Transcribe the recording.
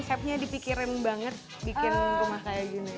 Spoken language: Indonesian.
rusepnya dipikirkan banget buat rumah kayak gitu